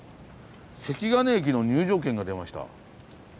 関金駅の入場券が出ました。